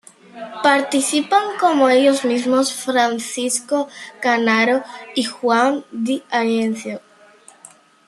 Participan como ellos mismos Francisco Canaro y Juan D'Arienzo.